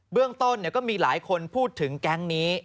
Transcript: เรื่องต้นก็มีหลายคนพูดถึงแก๊งนี้